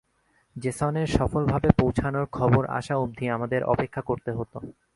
জেসনের সফলভাবে পৌঁছানোর খবর আসা অব্ধি আমাদের অপেক্ষা করতে হতো।